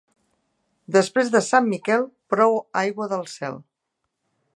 Després de Sant Miquel, prou aigua del cel.